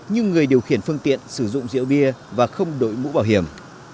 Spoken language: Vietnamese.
như người điều khiển phương tiện sử dụng rượu bia và không đội mũ bảo hiểm